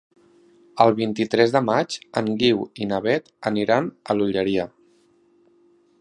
El vint-i-tres de maig en Guiu i na Beth aniran a l'Olleria.